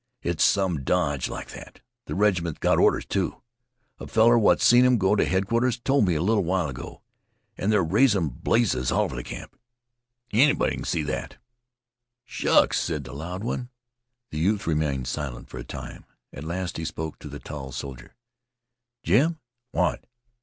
It's some dodge like that. The regiment's got orders, too. A feller what seen 'em go to headquarters told me a little while ago. And they're raising blazes all over camp anybody can see that." "Shucks!" said the loud one. The youth remained silent for a time. At last he spoke to the tall soldier. "Jim!" "What?"